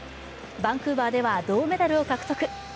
バンクーバーでは銅メダルを獲得。